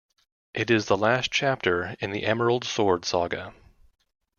It is the last chapter in the Emerald Sword Saga.